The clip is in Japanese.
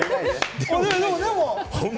でも、でも。